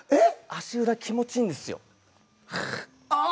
足裏気持ちいいんですよ。ああ！